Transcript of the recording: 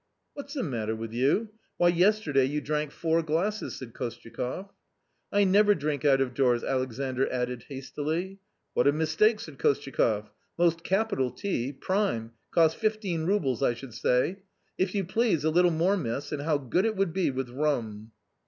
" What's the matter with you ? why, yesterday you drank four glasses," said Kostyakoff. " I never drink out of doors," Alexandr added hastily. w What a mistake !" said Kostyakoff, " most capital tea, prime, cost fifteen roubles, I should say. If you please, a little more, miss, and how good it would be with rum."